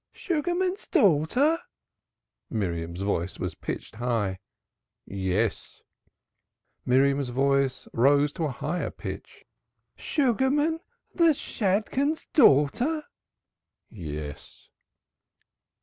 "Sugarman's daughter?" Miriam's voice was pitched high. "Yes." Miriam's voice rose to a higher pitch. "Sugarman the Shadchan's daughter?" "Yes."